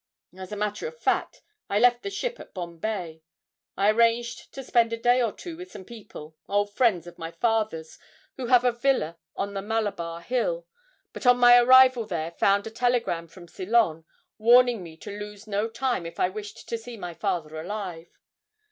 As a matter of fact, I left the ship at Bombay. I had arranged to spend a day or two with some people, old friends of my father's, who have a villa on the Malabar Hill, but on my arrival there found a telegram from Ceylon, warning me to lose no time if I wished to see my father alive.